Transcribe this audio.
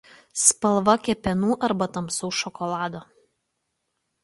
Spalva kepenų arba tamsaus šokolado.